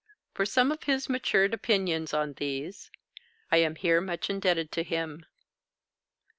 For some of his matured opinions on these, I am here much indebted to him.